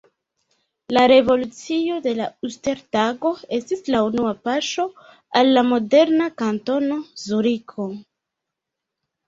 La revolucio de la Uster-Tago estis la unua paŝo al la moderna Kantono Zuriko.